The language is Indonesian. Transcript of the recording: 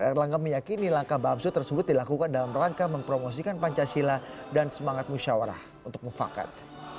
erlangga meyakini langkah bamsu tersebut dilakukan dalam rangka mempromosikan pancasila dan semangat musyawarah untuk mufakat